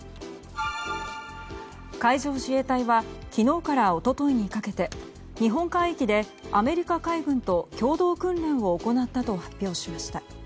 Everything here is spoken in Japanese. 海上自衛隊は昨日から一昨日にかけて日本海域でアメリカ海軍と共同訓練を行ったと発表しました。